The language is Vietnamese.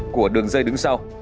của đường dây đứng sau